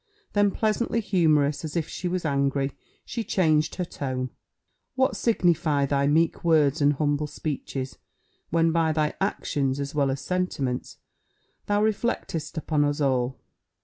Then pleasantly humorous, as if she was angry, she changed her tone, "What signify thy meek words and humble speeches when by thy actions, as well as sentiments, thou reflectest upon us all?